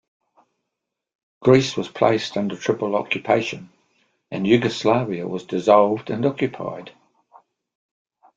Greece was placed under triple occupation, and Yugoslavia was dissolved and occupied.